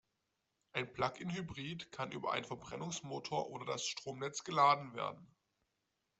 Ein Plug-in-Hybrid kann über einen Verbrennungsmotor oder das Stromnetz geladen werden.